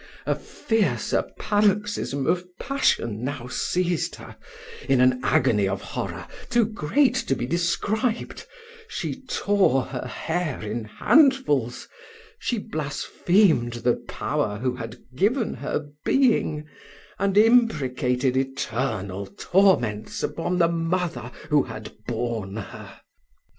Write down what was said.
A fiercer paroxysm of passion now seized her: in an agony of horror, too great to be described, she tore her hair in handfuls she blasphemed the power who had given her being, and imprecated eternal torments upon the mother who had born her.